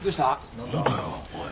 何だよおい？